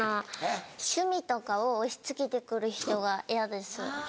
趣味とかを押し付けてくる人が嫌です。